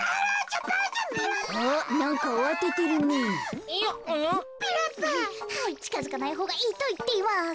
ちかづかないほうがいいといっています。